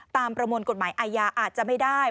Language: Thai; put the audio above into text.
ประมวลกฎหมายอาญาอาจจะไม่ได้